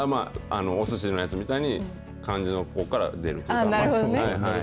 おすしのやつみたいに、漢字のここから出るとか。